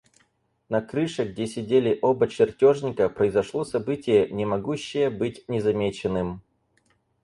На крыше, где сидели оба чертежника, произошло событие, не могущее быть незамеченным.